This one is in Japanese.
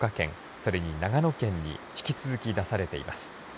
それに長野県に引き続き出されています。